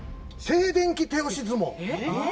静電気手押し相撲。